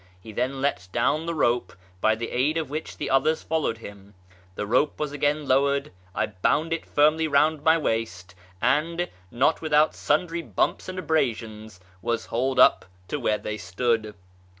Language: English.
He then let down the rope, by the aid of which the others followed him. The rope was again low^ered. I Ixjund it lirndy round my waist, and, not without sundry bumps and abrasions, was hauled up to where they stood.